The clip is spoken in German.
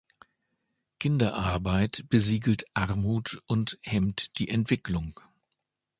Kinderarbeit besiegelt Armut und hemmt die Entwicklung.